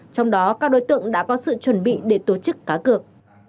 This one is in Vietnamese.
trong đó các đối tượng đã có sự chuẩn bị để tổ chức cá cược